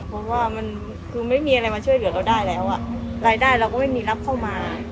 เพราะว่ามันคือไม่มีอะไรมาช่วยเหลือเราได้แล้วรายได้เราก็ไม่มีรับเข้ามา